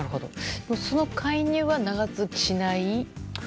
その介入は長続きしない？